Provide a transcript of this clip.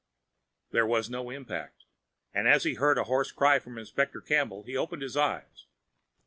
There was no impact. And as he heard a hoarse cry from Inspector Campbell, he opened his eyes.